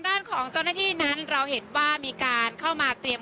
ด้านของเจ้าหน้าที่นั้นเราเห็นว่ามีการเข้ามาเตรียม